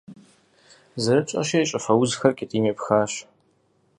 Зэрытщӏэщи, щӏыфэ узхэр кӏэтӏийм епхащ.